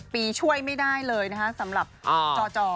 ปีช่วยไม่ได้เลยนะคะสำหรับจอจอ